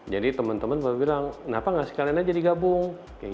jadi teman teman baru bilang kenapa gak sekalian aja digabung